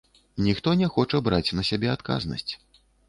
Ніхто не хоча браць на сябе адказнасць.